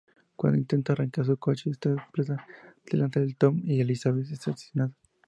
Cuando intenta arrancar su coche, este explota delante de Tom, y Elizabeth es asesinada.